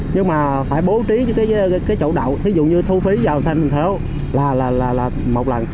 nhưng mà phải bố trí cái chỗ đậu ví dụ như thu phí vào thành phố là một lần